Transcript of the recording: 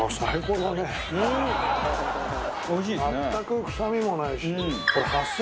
全く臭みもないし。